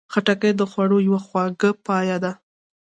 خټکی د خوړو یوه خواږه پایه ده.